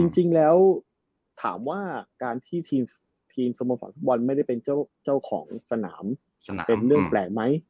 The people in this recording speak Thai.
จริงแล้วถามว่าการทีมสมภาษาธีประบาลไม่ได้เป็นเจ้าของสนามสนามเป็นเรื่องแปลกมั๊ย